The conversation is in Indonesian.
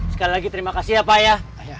sekali lagi terima kasih ya pak ya